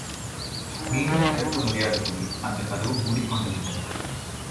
மீண்டும் திறக்க முடியாதபடி அந்தக் கதவு முடிக் கொண்டு விட்டது.